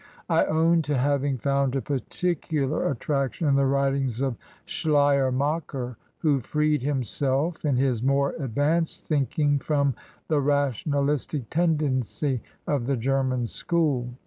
I own to having found a particular attraction in the writings of Schleier macher, who freed himself in his more advanced thinking from the rationalistic tendency of the German school.